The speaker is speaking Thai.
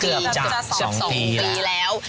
เกือบจะ๒ปีแล้วจาก๒ปีแล้ว